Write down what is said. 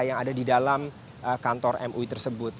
yang ada di dalam kantor mui tersebut